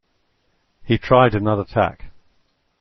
He tried another tack.